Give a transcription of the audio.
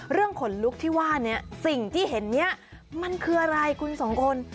เรื่องขนลุกที่ว่าเนี่ยสิ่งที่เห็นเนี่ยมันคืออะไรคุณสองคน